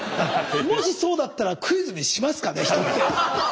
もしそうだったらクイズにしますかね人って。